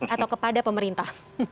atau kepada pemerintah